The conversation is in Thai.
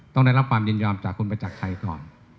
ต้องได้รับความยินยอมจากคุณประจักรชัยก่อน